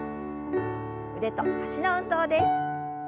腕と脚の運動です。